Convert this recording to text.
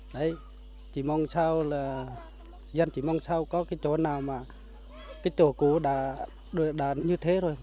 đấy chỉ mong sao là dân chỉ mong sao có cái chỗ nào mà cái chỗ cũ đã như thế rồi